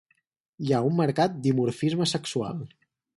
Hi ha un marcat dimorfisme sexual.